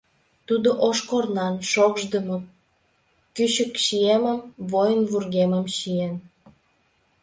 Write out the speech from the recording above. Тудо ош корнан, шокшдымо кӱчык чиемым — воин вургемым чиен.